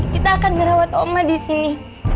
kita akan merawat oma disini